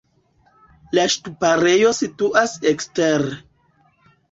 La ŝtuparejo situas ekstere.